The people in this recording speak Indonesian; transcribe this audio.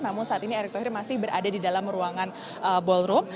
namun saat ini erick thohir masih berada di dalam ruangan ballroom